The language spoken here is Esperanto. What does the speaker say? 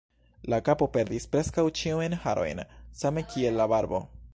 La kapo perdis preskaŭ ĉiujn harojn, same kiel la barbo.